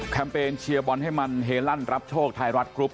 เปญเชียร์บอลให้มันเฮลั่นรับโชคไทยรัฐกรุ๊ป